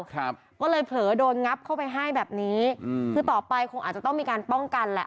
ครับก็เลยเผลอโดนงับเข้าไปให้แบบนี้อืมคือต่อไปคงอาจจะต้องมีการป้องกันแหละ